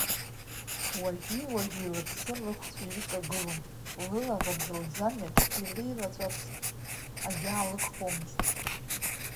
Уажәи-уажәи лԥсы лыхәцә иҩыҵагылон, лылаӷырӡ лӡамҩаҿ илеилаҵәарц агьаалыгхомызт.